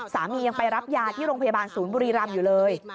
ยังไปรับยาที่โรงพยาบาลศูนย์บุรีรำอยู่เลย